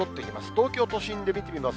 東京都心で見てみます。